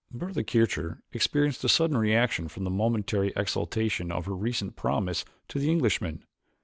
Bertha Kircher experienced a sudden reaction from the momentary exaltation of her recent promise to the Englishman.